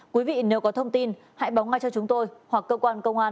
quý vị nếu có thông tin hãy báo ngay cho chúng tôi hoặc cơ quan công an